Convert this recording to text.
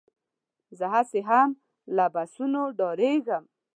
زه هسې هم له بسونو ډارېږم.